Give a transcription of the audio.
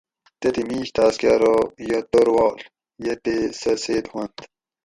"تتھی میش تاۤس کہ ارو"" یہ توروال یہ تھے سہ سیت ھوانت"""